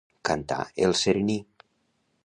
Cantar el serení.